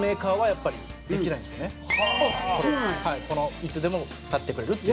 いつでも立ってくれるっていう。